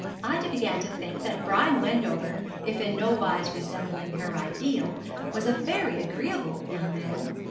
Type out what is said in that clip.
Ida began to think that Brian Wendover, if in nowise resembling her ideal, was a very agreeable young man.